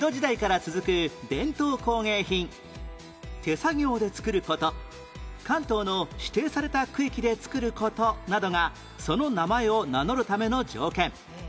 手作業で作る事関東の指定された区域で作る事などがその名前を名乗るための条件